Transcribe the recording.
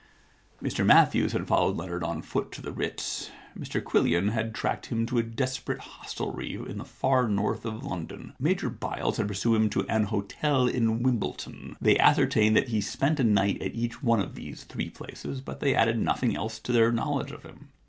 Mr Matthews had followed Leonard on foot to the Ritz. Mr Quillian had tracked him to a desperate hostelry in the far north of London. Major Byles had pursued him to an hotel in Wimbledon. They ascertained that he spent a night at each one of these three places, but they added nothing else to their knowledge of him.